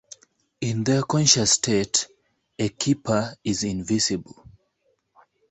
In their conscious state, a Keeper is invisible.